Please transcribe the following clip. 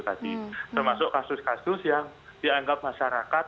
termasuk kasus kasus yang dianggap masyarakat